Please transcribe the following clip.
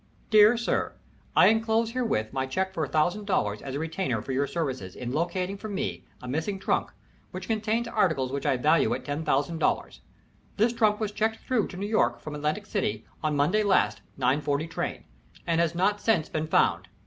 "DEAR SIR, I enclose herewith my check for $1000 as a retainer for your services in locating for me a missing trunk, which contains articles which I value at $10,000. This trunk was checked through to New York from Atlantic City on Monday last, 9.40 train, and has not since been found.